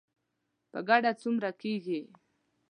په ګډه څومره کیږي؟